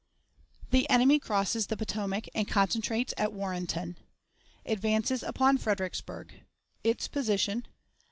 The Enemy crosses the Potomac and concentrates at Warrenton. Advances upon Fredericksburg. Its Position.